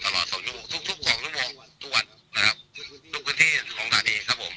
เราได้เข้มได้